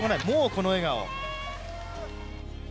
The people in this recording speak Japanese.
もうこの笑顔。